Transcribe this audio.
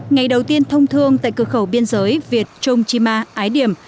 ngày đầu tiên thông thương tại cửa khẩu biên giới việt trông chima ái điểm